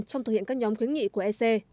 trong thực hiện các nhóm khuyến nghị của ec